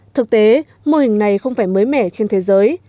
thực tế mô hình này không phải mới mẻ trên thế giới